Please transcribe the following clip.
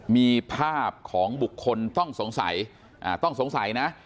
มีภาพของบุคคลต้องสงสัยต้องสงสัยนะ